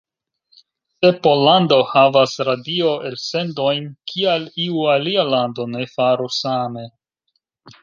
Se Pollando havas radio-elsendojn, kial iu alia lando ne faru same?